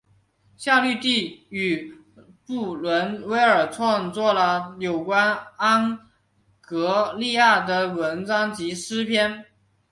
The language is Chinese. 夏绿蒂与布伦威尔创作了有关安格利亚的文章及诗篇。